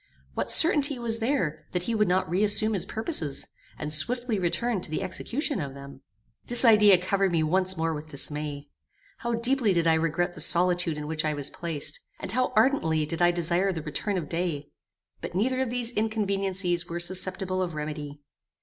What certainty was there, that he would not re assume his purposes, and swiftly return to the execution of them? This idea covered me once more with dismay. How deeply did I regret the solitude in which I was placed, and how ardently did I desire the return of day! But neither of these inconveniencies were susceptible of remedy.